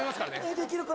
できるかな？